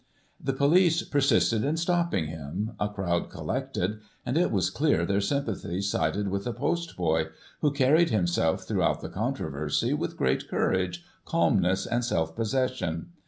The police persisted in stopping him, a crowd col lected, and it was clear their sympathies sided with the post boy, who carried himself, throughout the controversy, with great courage, calmness, and self possession.